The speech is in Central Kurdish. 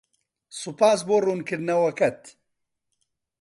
سوپاس بۆ ڕوونکردنەوەکەت.